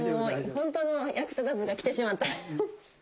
ホントの役立たずが来てしまった。